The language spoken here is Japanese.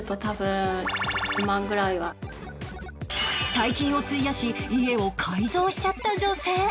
大金を費やし家を改造しちゃった女性